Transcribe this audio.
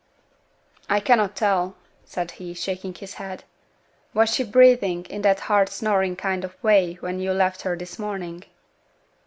'I cannot tell,' said he, shaking his head. 'Was she breathing in that hard snoring kind of way when you left her this morning?'